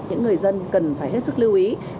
những người dân cần phải hết sức lưu ý